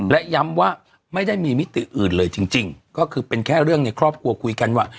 และย้ำว่าไม่ได้มีมิติอื่นเลยจริงก็คือเป็นแค่เรื่องในครอบครัวคุยกันว่า